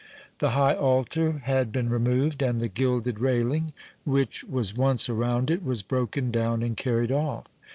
The high altar had been removed, and the gilded railing, which was once around it, was broken down and carried off.